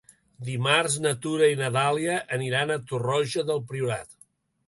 Dimarts na Tura i na Dàlia aniran a Torroja del Priorat.